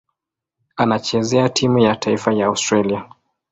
Anachezea timu ya taifa ya Australia.